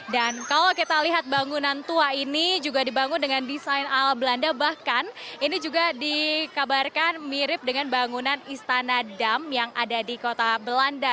dan kalau kita lihat bangunan tua ini juga dibangun dengan desain ala belanda bahkan ini juga dikabarkan mirip dengan bangunan istana dam yang ada di kota belanda